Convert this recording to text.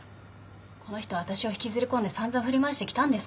この人私を引きずり込んで散々振り回してきたんですから。